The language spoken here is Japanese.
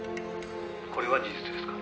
これは事実ですか？」